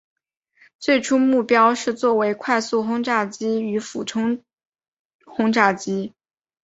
最初目标是作为快速轰炸机与俯冲轰炸机。